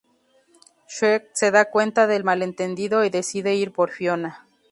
Shrek se da cuenta del malentendido y decide ir por Fiona.